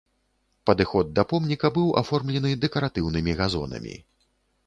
Падыход да помніка быў аформлены дэкаратыўнымі газонамі.